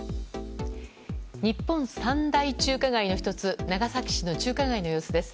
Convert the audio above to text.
日本三大中華街の１つ長崎市の中華街の様子です。